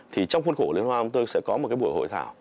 thì trong khuôn khổ liên hoan chúng tôi sẽ có một cái buổi hội thảo